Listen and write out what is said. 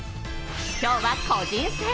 今日は個人戦。